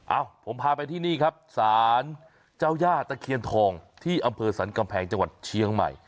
เอ้าผมพาไปที่นี่ครับศาลเจ้าย่าตะเคียนทองที่อำเภอสรรกำแพงจังหวัดเชียงใหม่